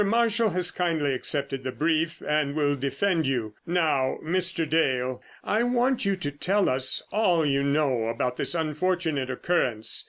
Marshall has kindly accepted the brief and will defend you. Now, Mr. Dale, I want you to tell us all you know about this unfortunate occurrence.